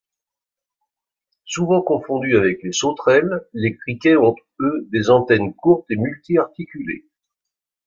Souvent confondus avec les sauterelles, les criquets ont eux des antennes courtes et multiarticulées.